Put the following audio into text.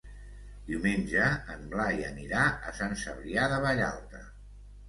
Diumenge en Blai anirà a Sant Cebrià de Vallalta.